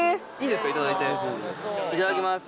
いただきます。